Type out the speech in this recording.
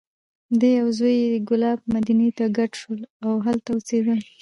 دی او زوی یې کلاب، مدینې ته کډه شول. او هلته اوسېدل.